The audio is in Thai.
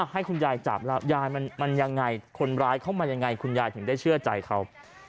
ให้คุณยายจับแล้วยายมันยังไงคนร้ายเข้ามายังไงคุณยายถึงได้เชื่อใจเขา